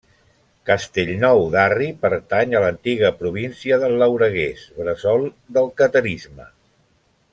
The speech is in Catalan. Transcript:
Castellnou d'Arri pertany a l'antiga província del Lauraguès, bressol del catarisme.